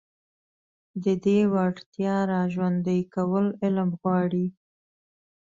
د دې وړتيا راژوندي کول علم غواړي.